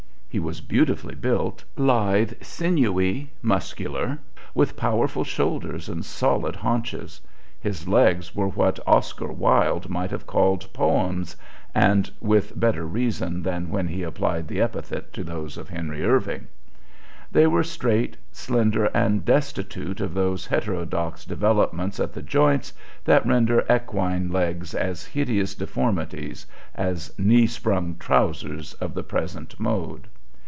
He was beautifully built, lithe, sinewy, muscular, with powerful shoulders and solid haunches; his legs were what Oscar Wilde might have called poems, and with better reason than when he applied the epithet to those of Henry Irving: they were straight, slender, and destitute of those heterodox developments at the joints that render equine legs as hideous deformities as knee sprung trousers of the present mode.